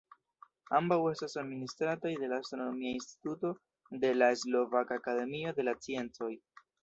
Ambaŭ estas administrataj de la Astronomia instituto de la Slovaka akademio de la sciencoj.